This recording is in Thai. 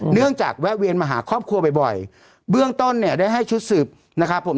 จากแวะเวียนมาหาครอบครัวบ่อยเบื้องต้นเนี่ยได้ให้ชุดสืบนะครับผม